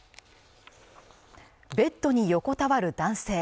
ベッドに横たわる男性